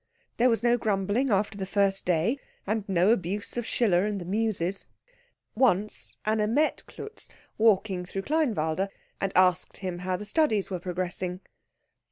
There was no grumbling after the first day, and no abuse of Schiller and the muses. Once Anna met Klutz walking through Kleinwalde, and asked him how the studies were progressing.